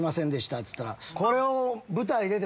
っつったら。